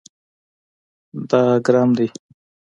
دا ګرم دی